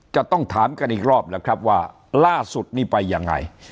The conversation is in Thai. จะต้องถามกันอีกรอบแล้วครับว่าล่าสุดนี้ไปยังไง